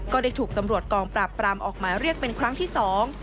ก็ได้ถูกตำรวจกองปราบปรามออกหมายเรียกเป็นครั้งที่สอง